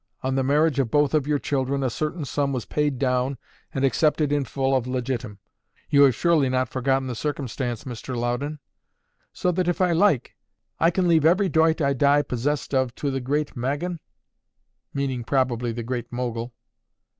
On the marriage of both of your children a certain sum was paid down and accepted in full of legitim. You have surely not forgotten the circumstance, Mr. Loudon?" "So that, if I like," concluded my grandfather, hammering out his words, "I can leave every doit I die possessed of to the Great Magunn?" meaning probably the Great Mogul.